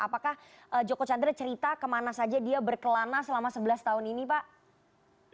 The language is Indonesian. apakah joko candra cerita kemana saja dia berkelana selama sebelas tahun ini pak